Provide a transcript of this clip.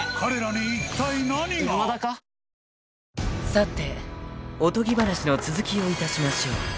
［さておとぎ話の続きをいたしましょう］